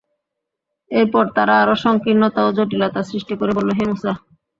এরপর তারা আরো সংকীর্ণতা ও জটিলতা সৃষ্টি করে বলল, হে মূসা!